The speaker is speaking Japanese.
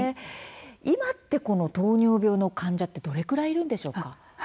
今糖尿病の患者はどれくらいいるんでしょうか。